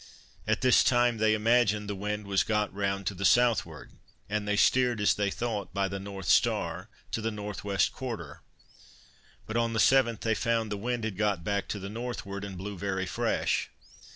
At this time they imagined the wind was got round to the southward, and they steered, as they thought by the North star, to the northwest quarter; but on the 7th, they found the wind had got back to the northward, and blew very fresh.